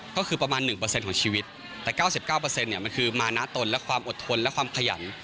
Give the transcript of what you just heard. ก็คือประมาณ๑ของชีวิตแต่๙๙มันคือมานะตนและความอดทนและความขยัน